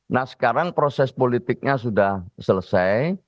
nah sekarang proses politiknya sudah selesai